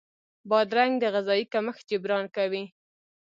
بادرنګ د غذايي کمښت جبران کوي.